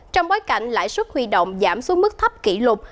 trong bối cảnh lãi suất huy động giảm xuống mức thấp kỷ lục